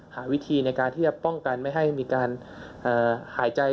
หาวิธีในการที่จะป้องกันไม่ให้มีการหายใจ